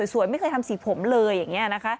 สวยไม่เคยทำสีผมเลยอย่างนี้นะคะ